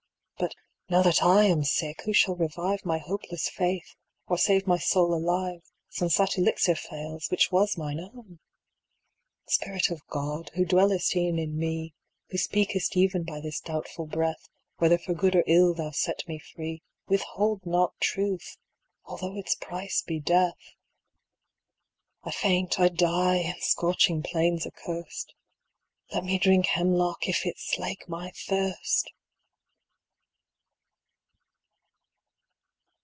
But now that / am sick, who shall revive My hopeless faith, or save my soul alive, Since that elixir fails, which was mine own ? Spirit of God, Who dwellest e'en in me, Who speakest even by this doubtful breath, Whether for good or ill Thou set me free. Withhold not Truth, although its price be Death I faint, I die, in scorching plains accurst, Let me drink hemlock, if it slake my thirst